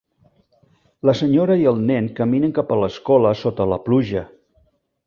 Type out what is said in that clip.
La senyora i el nen caminen cap a l'escola sota la pluja.